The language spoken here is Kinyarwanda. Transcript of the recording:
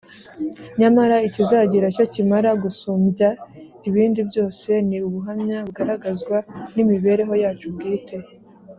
nyamara ikizagira icyo kimara gusumbya ibindi byose ni ubuhamya bugaragazwa n’imibereho yacu bwite